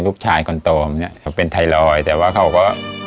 ลูกชายควรโตเป็นไทรอยด์แต่เขาก็